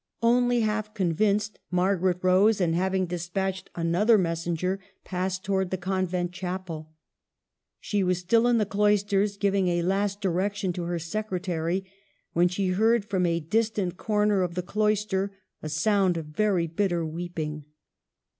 Only half convinced, Margaret rose, and having despatched another messenger, passed towards the convent chapel. She was still in the cloisters, giving a last direction to her secretary, when she heard from a distant corner of the cloister a sound of very bitter weeping.